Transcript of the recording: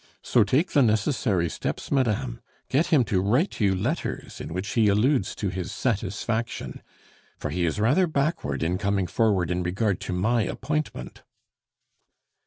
So take the necessary steps, madame! Get him to write you letters in which he alludes to his satisfaction, for he is rather backward in coming forward in regard to my appointment."